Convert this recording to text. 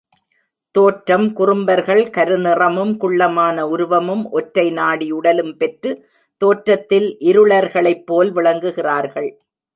தோற்றம் குறும்பர்கள் கருநிறமும், குள்ளமான உருவமும், ஒற்றை நாடி உடலும் பெற்று, தோற்றத்தில் இருளர்களைப்போல் விளங்குகிறார்கள்.